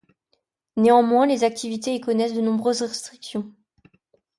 Néanmoins, les activités y connaissent de nombreuses restrictions.